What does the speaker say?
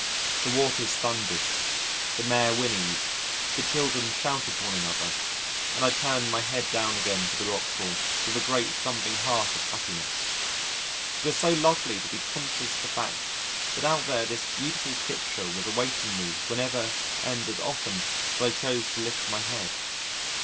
The waters thundered, the mare whinnied, the children shouted to one another, and I turned my head down again to the rockpool with a great thumping heart of happiness: it was so lovely to be conscious of the fact that out there this beautiful picture was awaiting me whenever and as often as I chose to lift my head.